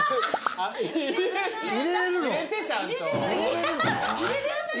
入れてちゃんと。